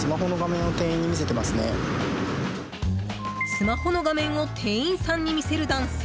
スマホの画面を店員さんに見せる男性。